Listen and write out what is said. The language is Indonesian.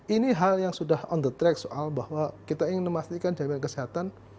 ini hal yang sudah on the track soal bahwa kita ingin memastikan jaminan kesehatan